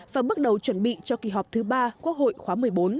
và bước đầu chuẩn bị cho kỳ họp thứ ba quốc hội khóa một mươi bốn